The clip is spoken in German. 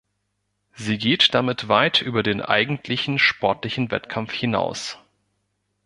Sie geht damit weit über den eigentlichen sportlichen Wettkampf hinaus.